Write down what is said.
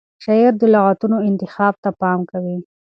شاعر د لغتونو انتخاب ته پام کوي.